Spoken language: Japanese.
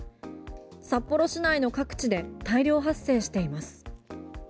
札幌市内の各地で大量発生しています。